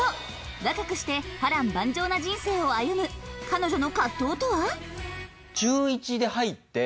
若くして波乱万丈な人生を歩む彼女の葛藤とは？